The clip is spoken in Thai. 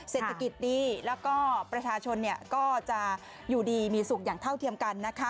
เศรษฐกิจดีแล้วก็ประชาชนก็จะอยู่ดีมีสุขอย่างเท่าเทียมกันนะคะ